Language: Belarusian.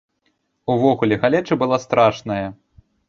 Увогуле, галеча была страшная.